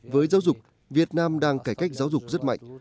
với giáo dục việt nam đang cải cách giáo dục rất mạnh